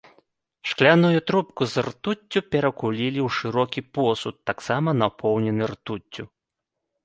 Шкляную трубку з ртуццю перакулілі ў шырокі посуд, таксама напоўнены ртуццю.